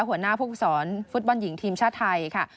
หัวหน้าผู้ฝึกสอนฟุตบอลหญิงทีมชาติไทยค่ะ